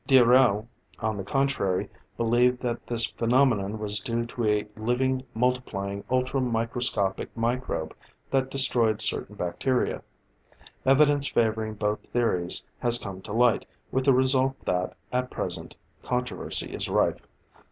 D'Herelle, on the contrary, believed that this phenomenon was due to a living, multiplying, ultra microscopic microbe that destroyed certain bacteria. Evidence favoring both theories has come to light, with the result that, at present, controversy is rife.